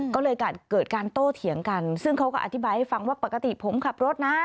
ก็เลยเกิดการโต้เถียงกันซึ่งเขาก็อธิบายให้ฟังว่าปกติผมขับรถนะ